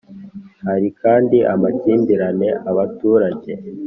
Hari kandi amakimbirane abaturage